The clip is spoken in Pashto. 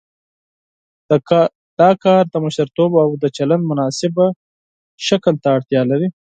دا کار د مشرتوب او د چلند مناسب شکل ته اړتیا لري.